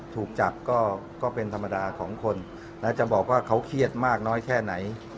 ถูกจับก็เป็นธรรมดาของคนนะจะบอกว่าเขาเครียดมากน้อยแค่ไหน